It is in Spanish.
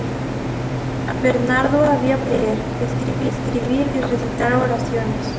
Bernardo había aprendido a leer, escribir y recitar oraciones.